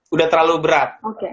udah terlalu berat